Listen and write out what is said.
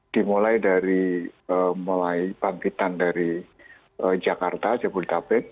dimulai dari mulai pangkitan dari jakarta jabodetabek